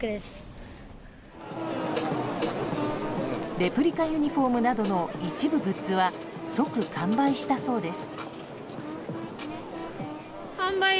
レプリカユニホームなどの一部グッズは即完売したそうです。